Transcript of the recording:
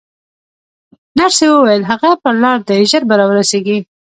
نرسې وویل: هغه پر لار دی، ژر به راورسېږي.